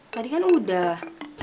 tadi kan udah